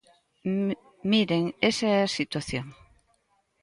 Miren, esa é a situación.